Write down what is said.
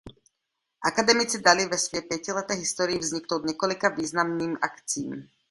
Akademici dali ve své pětileté historii vzniknout několika významným akcím.